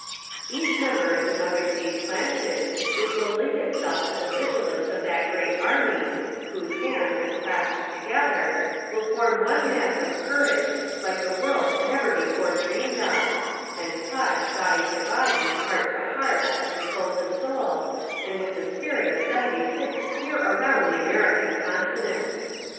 Each member is another seed planted which will link itself to the vigil ance of that great army wihose hands, if clasped together, will form one mass of courage like the world never before dreamed of, and touch, body to body, heart to heart and soul to soul, and with the spirit of '76 clear around the American continent